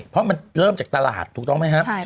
เพราะมันเริ่มจากตลาดถูกต้องไหมครับ